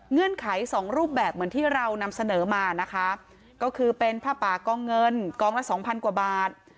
เงื่อนไขสองรูปแบบเหมือนที่เรานำเสนอมานะคะก็คือเป็นผ้าป่ากองเงินกองละสองพันกว่าบาท